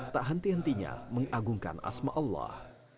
tak henti hentinya mengagungkan asma allah